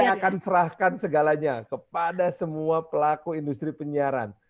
saya akan serahkan segalanya kepada semua pelaku industri penyiaran